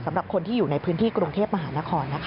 สำหรับคนที่อยู่ในพื้นที่กรุงเทพมหานคร